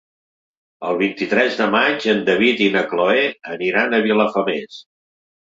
El vint-i-tres de maig en David i na Cloè aniran a Vilafamés.